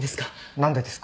何でですか？